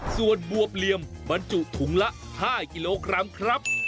ส่วนบวบเหลี่ยมบรรจุถุงละ๕กิโลกรัมครับ